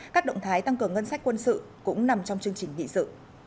các động thái tăng cường ngân sách quân sự cũng nằm trong chương trình nghị sự